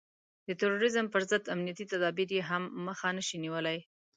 د تروريزم پر ضد امنيتي تدابير يې هم مخه نشي نيولای.